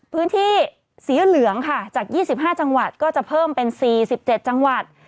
พื้นที่สีเหลืองค่ะจาก๒๕จังหวัดก็จะเพิ่มเป็น๔๗จังหวัด